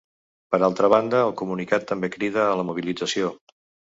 Per altra banda, el comunicat també crida a la mobilització.